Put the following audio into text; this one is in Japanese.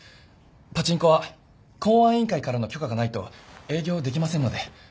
パチンコは公安委員会からの許可がないと営業できませんので。